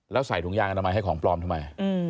แล้วใส่ถุงยางอนามัยให้ของปลอมทำไม